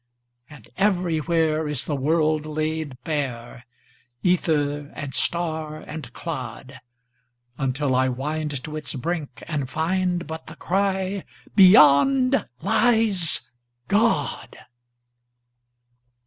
And everywhereIs the world laid bare—Ether and star and clod—Until I wind to its brink and findBut the cry, "Beyond lies God!"